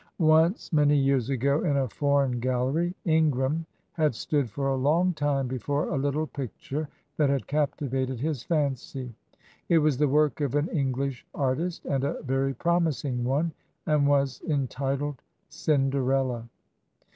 Once, many years ago in a foreign gallery, Ingram had stood for a long time before a little picture that had captivated his fancy; it was the work of an English artist, and a very promising one, and was entitled "Cinderella."